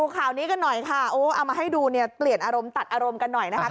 ข่าวนี้กันหน่อยค่ะโอ้เอามาให้ดูเนี่ยเปลี่ยนอารมณ์ตัดอารมณ์กันหน่อยนะคะ